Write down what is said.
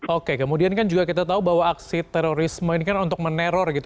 oke kemudian kan juga kita tahu bahwa aksi terorisme ini kan untuk meneror gitu